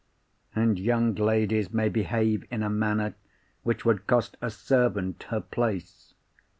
And young ladies may behave in a manner which would cost a servant her place.